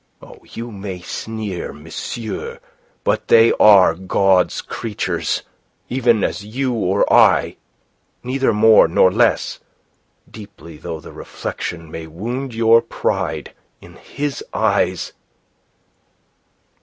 Oh, you may sneer, monsieur, but they are God's creatures, even as you or I neither more nor less, deeply though the reflection may wound your pride. In His eyes..."